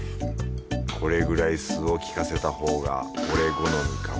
これぐらい酢をきかせたほうが俺好みかも